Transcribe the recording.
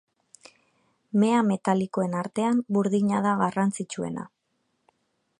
Mea metalikoen artean burdina da garrantzitsuena.